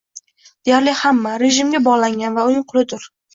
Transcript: Deyarli hamma, rejimga bog‘langan va uning qulidir